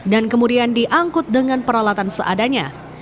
dan kemudian diangkut dengan peralatan seadanya